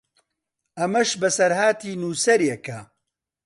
ئەمەش بەسەرهاتی نووسەرێکە